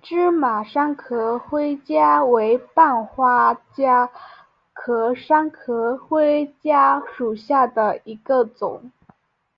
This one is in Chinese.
芝麻三壳灰介为半花介科三壳灰介属下的一个种。